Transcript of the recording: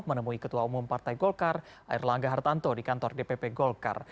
menemui ketua umum partai golkar air langga hartanto di kantor dpp golkar